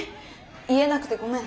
言えなくてごめん。